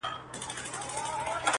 • یوه حوره به راکښته سي له پاسه -